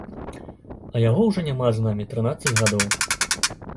А яго ўжо няма з намі трынаццаць гадоў.